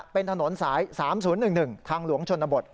เป็นถนนสาย๓๐๑๑ทางหลวงชนบท